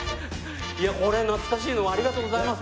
いやこれ懐かしいのをありがとうございます。